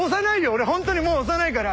俺ホントにもう押さないから。